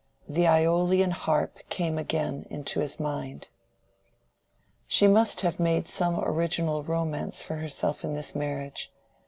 The Aeolian harp again came into his mind. She must have made some original romance for herself in this marriage.